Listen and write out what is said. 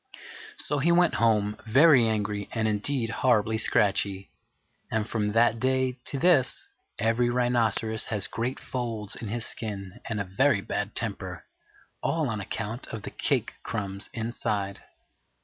So he went home, very angry indeed and horribly scratchy; and from that day to this every rhinoceros has great folds in his skin and a very bad temper, all on account of the cake crumbs inside.